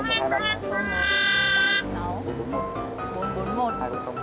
muốn có thêm bạn mới đi